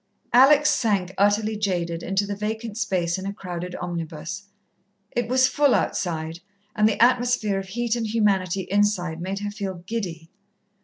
Alex sank, utterly jaded, into the vacant space in a crowded omnibus. It was full outside, and the atmosphere of heat and humanity inside made her feel giddy.